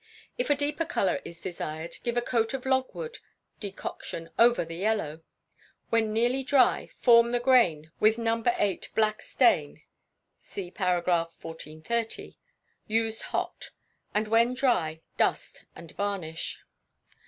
If a deeper colour is desired, give a coat of logwood decoction over the yellow. When nearly dry form the grain with No. viii. black stain (see par. 1430) used hot; and when dry, dust and varnish.